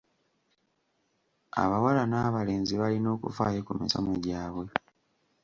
Abawala n'abalenzi balina okufaayo ku misomo gyabwe.